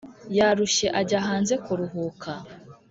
yarushye ajya hanze kuruhuka